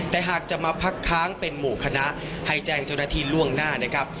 แต่หากจะมาพักค้างเป็นหมู่คณะให้แจ้งเจ้าหน้าที่ล่วงหน้านะครับ